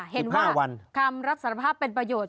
เห็นว่าคำรับสารภาพเป็นประโยชน์